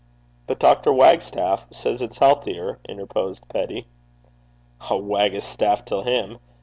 'But Dr. Wagstaff says it's healthier,' interposed Peddie. 'I'll wag a staff till him.